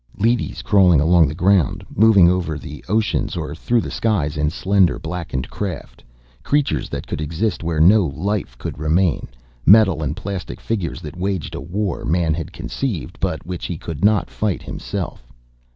Leadys, crawling along the ground, moving over the oceans or through the skies in slender, blackened craft, creatures that could exist where no life could remain, metal and plastic figures that waged a war Man had conceived, but which he could not fight himself.